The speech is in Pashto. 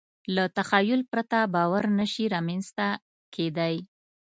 له تخیل پرته باور نهشي رامنځ ته کېدی.